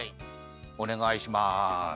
おねがいします。